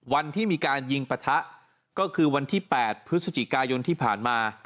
วันที่มีการยิงปะทะก็คือวันที่๘พฤศจิกายนที่ผ่านมา